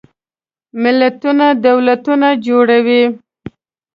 ملتونه دولتونه جوړوي.